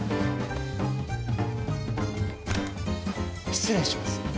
失礼します。